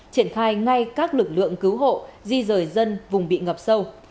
triển khai ngay các lực lượng cứu hộ di rời dân vùng bị ngập sâu